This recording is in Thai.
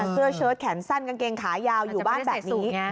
เสื้อเชิดแขนสั้นกางเกงขายาวอยู่บ้านแบบนี้